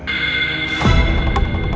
jangan lupa langsung berikuti